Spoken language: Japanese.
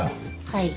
はい。